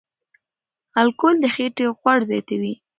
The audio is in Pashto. الکول د خېټې غوړ زیاتوي.